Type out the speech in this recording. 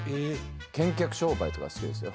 『剣客商売』とか好きですよ。